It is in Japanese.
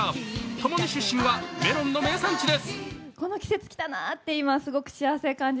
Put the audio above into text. ともに出身はメロンの名産地です。